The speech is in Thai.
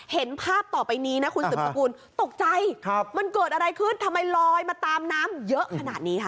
เห็นภาพต่อไปนี้นะคุณสืบสกุลตกใจมันเกิดอะไรขึ้นทำไมลอยมาตามน้ำเยอะขนาดนี้ค่ะ